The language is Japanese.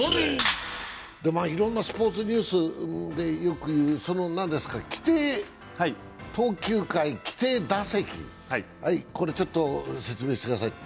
いろんなスポーツニュースでよく言う規定投球回、規定打席、これ、説明してください。